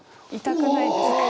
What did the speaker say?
痛くないですか？